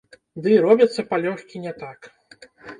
Дый робяцца палёгкі не так.